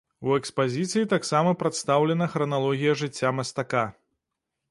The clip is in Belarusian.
У экспазіцыі таксама прадстаўлена храналогія жыцця мастака.